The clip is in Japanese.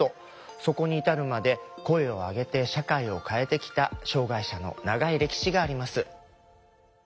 そこに至るまで声を上げて社会を変えてきた障害者の長い歴史があります。